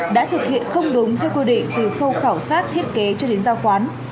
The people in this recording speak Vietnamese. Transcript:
đã thực hiện không đúng theo quy định từ khâu khảo sát thiết kế cho đến giao khoán